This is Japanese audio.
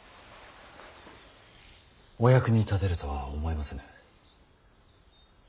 お役に立てるとは思えませぬ。